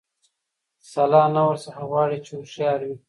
سلا نه ورڅخه غواړي چي هوښیار وي